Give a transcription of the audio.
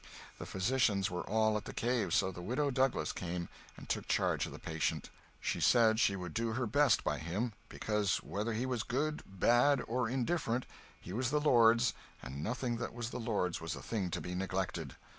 The physicians were all at the cave, so the Widow Douglas came and took charge of the patient. She said she would do her best by him, because, whether he was good, bad, or indifferent, he was the Lord's, and nothing that was the Lord's was a thing to be neglected.